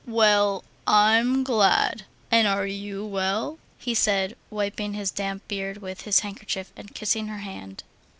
"Well, I'm glad. And are you well?" he said, wiping his damp beard with his handkerchief and kissing her hand.